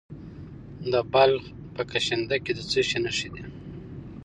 د بلخ په کشنده کې د څه شي نښې دي؟